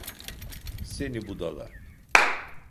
Seni budala!